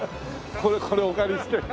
これこれお借りして。